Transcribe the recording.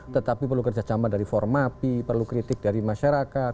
tetapi perlu kerjasama dari formapi perlu kritik dari masyarakat